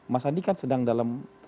mas andi kan sedang dalam